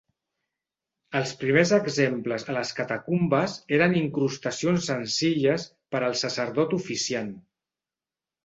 Els primers exemples a les catacumbes eren incrustacions senzilles per al sacerdot oficiant.